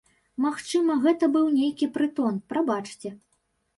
Магчыма, гэта быў нейкі прытон, прабачце.